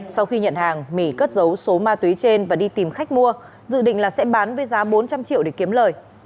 sau khi nhận hàng mỹ cất dấu số ma túy trên và đi tìm khách mua dự định là sẽ bán với giá bốn trăm linh triệu để kiếm lời